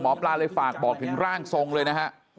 หมอปลาเลยฝากบอกถึงร่างทรงเลยนะฮะ